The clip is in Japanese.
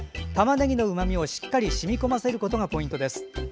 たまねぎのうまみをしっかり染み込ませることがポイントです。